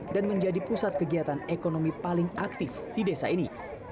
dan menjadi pusat kegiatan ekonomi paling aktif di desa ini